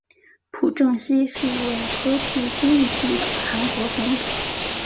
朴正熙是一位颇具争议性的韩国总统。